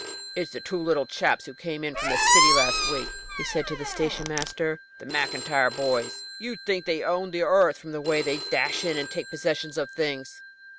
"It's the two little chaps who came out from the city last week," he said to the station master. "The Maclntyre boys. You'd think they own the earth from the way they dash in and take possession of things."